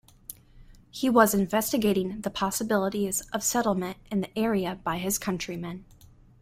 He was investigating the possibilities of settlement in the area by his countrymen.